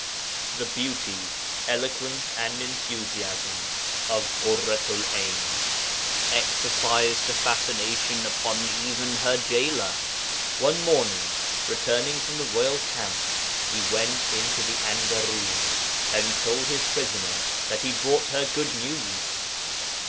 'The beauty, eloquence, and enthusiasm of Ḳurratu'l 'Ayn exercised a fascination even upon her gaoler. One morning, returning from the royal camp, he went into the enderūn, and told his prisoner that he brought her good news.